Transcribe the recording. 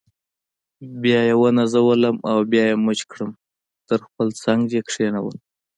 بیا یې ونازولم او بیا یې مچ کړم تر خپل څنګ یې کښېنولم.